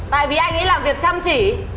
tại vì anh ấy làm việc chăm chỉ